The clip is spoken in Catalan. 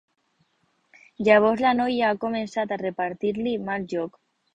Llavors la noia ha començat a repartir-li mal joc.